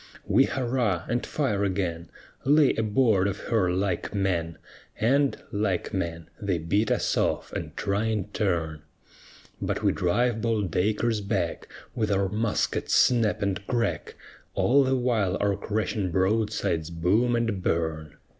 _ We hurrah, and fire again, Lay aboard of her like men, And, like men, they beat us off, and try in turn; But we drive bold Dacres back With our muskets' snap and crack All the while our crashing broadsides boom and burn.